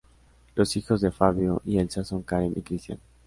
Los hijos de "Fabio" y "Elsa" son "Karen" y "Cristian".